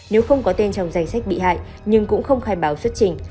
nếu không có tên trong danh sách bị hại nhưng cũng không khai báo xuất trình